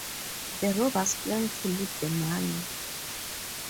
The robbers plan to loot the money.